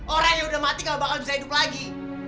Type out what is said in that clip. orang yang udah mati gak bakal bisa hidup lagi